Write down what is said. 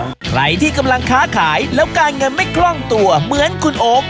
ใครที่กำลังค้าขายแล้วการเงินไม่คล่องตัวเหมือนคุณโอ๊ค